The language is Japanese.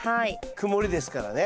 曇りですからね。